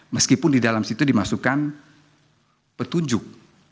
meskipun di dalam situ dimasukkan petunjuk